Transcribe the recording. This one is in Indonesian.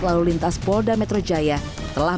saya tidak bisa mencari penyakit